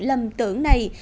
lâm tưởng này